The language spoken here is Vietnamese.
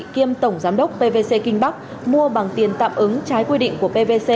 kiêm tổng giám đốc pvc kinh bắc mua bằng tiền tạm ứng trái quy định của pvc